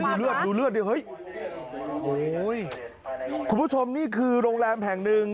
เลือดดูเลือดด้วยเฮ้ยโอ้ยคุณผู้ชมนี่คือโรงแรมแห่งหนึ่ง